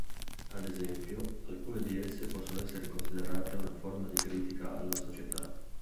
Ad esempio, alcune di esse possono essere considerate una forma di critica alla società.